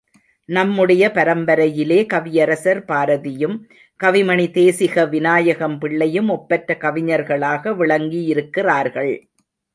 நம்முடைய பரம்பரையிலே கவியரசர் பாரதியும், கவிமணி தேசிக விநாயகம் பிள்ளையும் ஒப்பற்ற கவிஞர்களாக விளங்கியிருக்கிறார்கள்.